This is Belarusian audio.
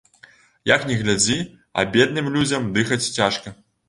Як ні глядзі, а бедным людзям дыхаць цяжка.